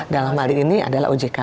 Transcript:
dalam hal ini adalah ojk